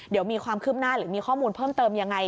เดี๋ยวมีความคืบหน้าหรือมีข้อมูลเพิ่มเติมยังไง